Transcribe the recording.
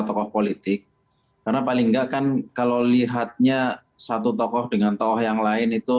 tokoh politik karena paling nggak kan kalau lihatnya satu tokoh dengan tokoh yang lain itu